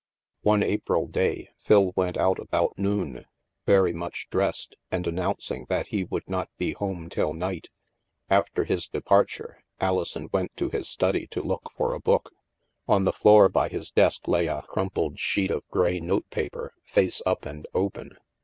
One April day, Phil went out about noon, very much dressed, and announcing that he would not be home till night. After his departure, Alison went to his study to look for a book. On the floor by his desk lay a 26o THE MASK crumpled sheet of gray note paper, face up and open.